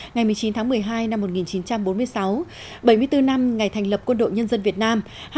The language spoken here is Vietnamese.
ngày một mươi chín tháng một mươi hai năm một nghìn chín trăm bốn mươi sáu bảy mươi bốn năm ngày thành lập quân đội nhân dân việt nam